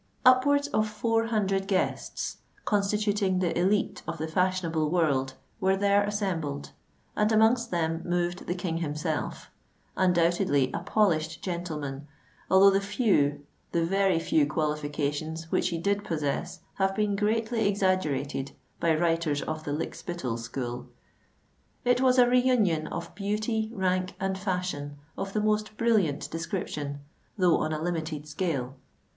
Upwards of four hundred guests—constituting the élite of the fashionable world—were there assembled; and amongst them moved the King himself—undoubtedly a polished gentleman, although the few—the very few qualifications which he did possess have been greatly exaggerated by writers of the Lykspittal school. It was a re union of beauty, rank, and fashion, of the most brilliant description, though on a limited scale.